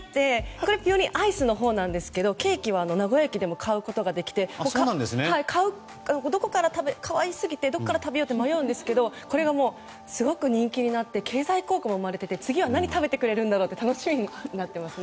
これはアイスのほうなんですがケーキは名古屋駅でも買うことができて可愛すぎて、どこから食べようか迷うんですけどこれがすごく人気になって経済効果も生まれてて次は何を食べてくれるんだろうと楽しみになってますね。